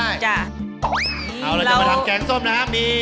เราจะมาทำแกงส้มนะครับ